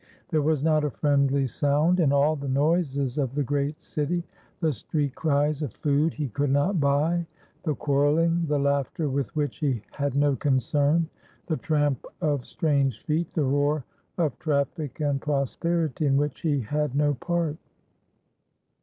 There was not a friendly sound in all the noises of the great city,—the street cries of food he could not buy, the quarrelling, the laughter with which he had no concern, the tramp of strange feet, the roar of traffic and prosperity in which he had no part.